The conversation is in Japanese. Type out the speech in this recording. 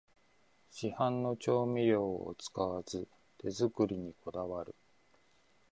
市販の調味料を使わず手作りにこだわる